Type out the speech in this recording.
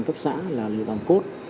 cấp xã là lực đoàn cốt